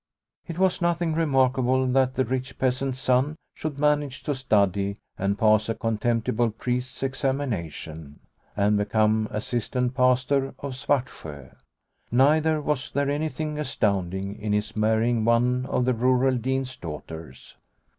It was nothing remarkable that the rich peasant's son should manage to study and pass a contemptible priest's examination, and become assistant pastor of Svartsjo. Neither was there anything astounding in his marrying one of the rural dean's daughters.